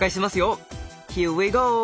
ヒアウィーゴー！